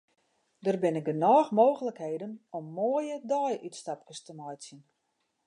Der binne genôch mooglikheden om moaie deiútstapkes te meitsjen.